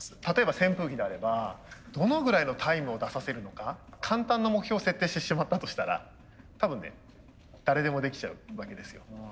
例えば扇風機であればどのぐらいのタイムを出させるのか簡単な目標を設定してしまったとしたら多分ね誰でもできちゃうわけですよ。